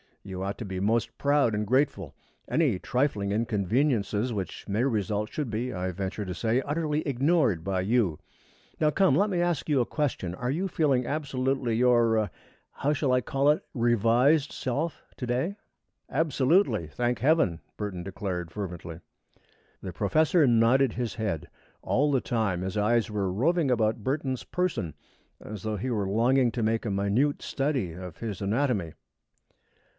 You ought to be most proud and grateful. Any trifling inconveniences which may result should be, I venture to say, utterly ignored by you. Now come, let me ask you a question. Are you feeling absolutely your how shall I call it revised self to day?" "Absolutely, thank Heaven!" Burton declared, fervently. The professor nodded his head. All the time his eyes were roving about Burton's person, as though he were longing to make a minute study of his anatomy.